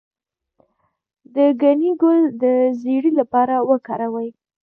د ګنی ګل د زیړي لپاره وکاروئ